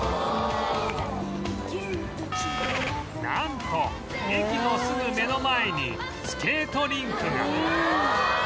なんと駅のすぐ目の前にスケートリンクが